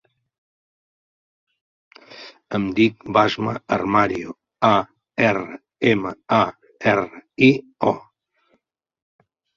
Em dic Basma Armario: a, erra, ema, a, erra, i, o.